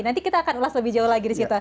nanti kita akan ulas lebih jauh lagi di situ